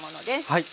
はい。